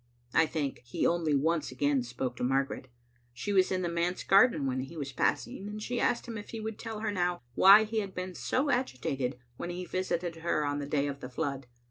I think he only once again spoke to Margaret. She was in the manse garden when he was passing, and she asked him if he would tell her now why he had been so agitated when he visited her on the day of the flood.